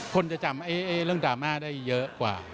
คนจะจำเรื่องดราม่าได้เยอะกว่า